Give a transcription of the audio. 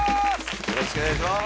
よろしくお願いします